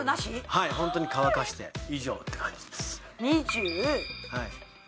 はいホントに乾かして以上って感じですね